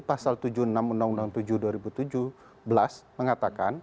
pasal tujuh puluh enam undang undang tujuh dua ribu tujuh belas mengatakan